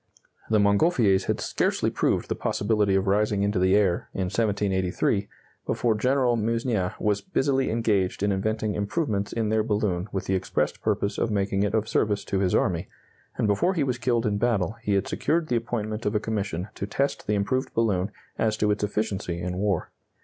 The Montgolfiers had scarcely proved the possibility of rising into the air, in 1783, before General Meusnier was busily engaged in inventing improvements in their balloon with the expressed purpose of making it of service to his army, and before he was killed in battle he had secured the appointment of a commission to test the improved balloon as to its efficiency in war.